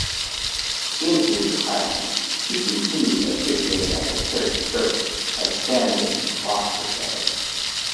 In his retirement he continued officiating at the parish church at Standish, Gloucestershire.